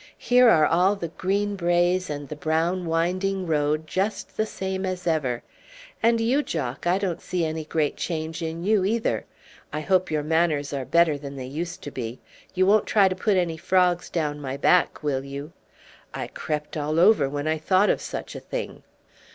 Here are all the green braes and the brown winding road just the same as ever. And you, Jack, I don't see any great change in you either. I hope your manners are better than they used to be. You won't try to put any frogs down my back, will you?" I crept all over when I thought of such a thing.